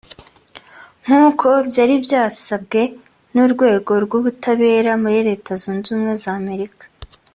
nkuko byari byasabwe n’urwego rw’ubutabera muri Leta Zunze Ubumwe za Amerika